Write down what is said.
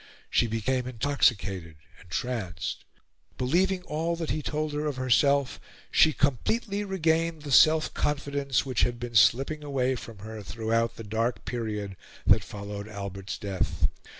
She became intoxicated, entranced. Believing all that he told her of herself, she completely regained the self confidence which had been slipping away from her throughout the dark period that followed Albert's death.